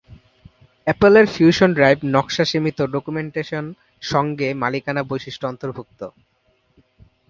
Apple এর fusion drive নকশা সীমিত ডকুমেন্টেশন সঙ্গে মালিকানা বৈশিষ্ট্য অন্তর্ভুক্ত।